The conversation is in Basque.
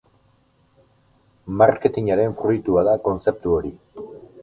Marketingaren fruitua da kontzeptu hori.